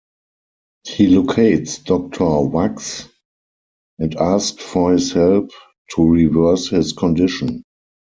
He locates Doctor Wachs and asks for his help to reverse his condition.